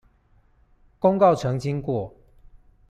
公告澄清過